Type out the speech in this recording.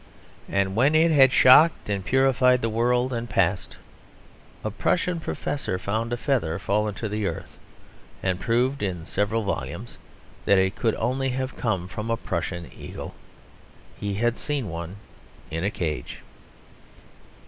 And when it had shocked and purified the world and passed, a Prussian professor found a feather fallen to earth; and proved (in several volumes) that it could only have come from a Prussian Eagle. He had seen one in a cage.